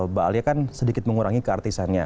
mbak alia kan sedikit mengurangi keartisannya